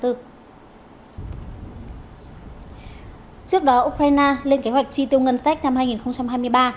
trước đó ukraine lên kế hoạch chi tiêu ngân sách năm hai nghìn hai mươi ba